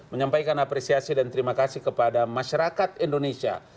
menyampaikan apresiasi dan terima kasih kepada masyarakat indonesia